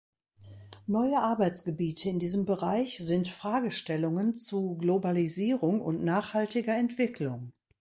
Neue Arbeitsgebiete in diesem Bereich sind Fragestellungen zu Globalisierung und nachhaltiger Entwicklung.